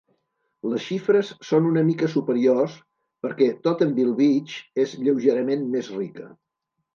Les xifres són una mica superiors perquè Tottenville Beach és lleugerament més rica.